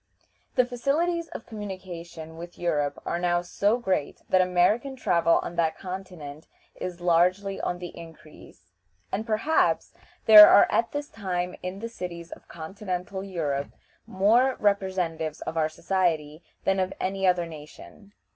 The facilities of communication with Europe are now so great that American travel on that continent is largely on the increase, and perhaps there are at this time in the cities of continental Europe more representatives of our society than of any other nation.